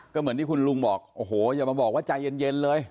ก็เหมือนที่คุณลุงบอกโอ้โหอย่ามาบอกว่าใจเย็นเลย